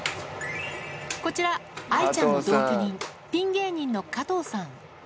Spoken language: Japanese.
こちら、愛ちゃんの同居人、ピン芸人の加藤さん。